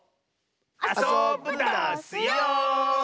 あそぶダスよ！